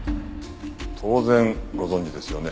当然ご存じですよね？